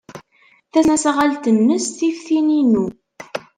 Tasnasɣalt-nnes tif tin-inu.